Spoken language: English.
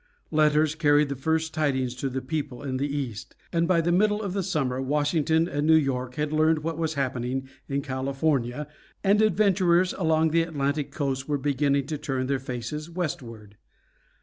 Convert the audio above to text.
Letters carried the first tidings to the people in the East, and by the middle of the summer Washington and New York had learned what was happening in California, and adventurers along the Atlantic coast were beginning to turn their faces westward.